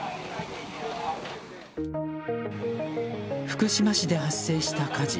福島市で発生した火事。